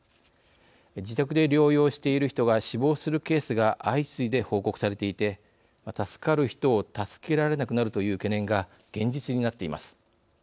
自宅で療養している人が死亡するケースが相次いで報告されていて助かる人を助けられなくなるという懸念が現実になっています。